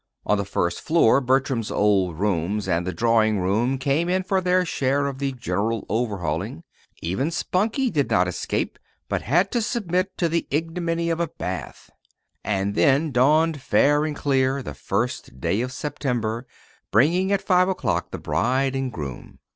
On the first floor Bertram's old rooms and the drawing room came in for their share of the general overhauling. Even Spunkie did not escape, but had to submit to the ignominy of a bath. And then dawned fair and clear the first day of September, bringing at five o'clock the bride and groom.